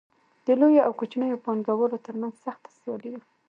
د لویو او کوچنیو پانګوالو ترمنځ سخته سیالي وه